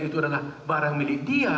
itu adalah barang milik dia